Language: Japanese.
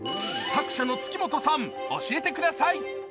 作者の月本さん、教えてください